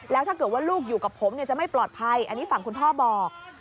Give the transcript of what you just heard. แล้วถ้าเกิดว่าลูกอยู่กับผมจะไม่ปลอดภัยอันนี้ฝั่งคุณพ่อบอก